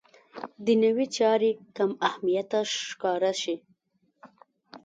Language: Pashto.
دنیوي چارې کم اهمیته ښکاره شي.